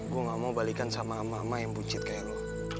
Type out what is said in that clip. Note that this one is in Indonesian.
gue gak mau balikan sama ama ama yang buncit kayak lo